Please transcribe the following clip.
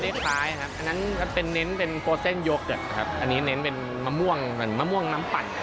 ไม่ได้คล้ายครับอันนั้นเป็นเน้นเป็นโฟเซ่นโยเกิร์ตครับอันนี้เน้นเป็นมะม่วงมะม่วงน้ำปั่น